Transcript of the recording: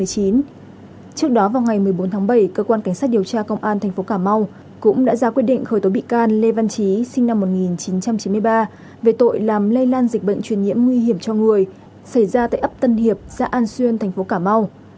trước đó vào ngày một mươi bốn tháng bảy cơ quan cảnh sát điều tra công an thành phố cà mau cũng đã ra quyết định khởi tố bị can lê văn trí sinh năm một nghìn chín trăm chín mươi ba về tội làm lây lan dịch bệnh truyền nhiễm nguy hiểm cho người xảy ra tại ấp tân hiệp xã an xuyên thành phố cà mau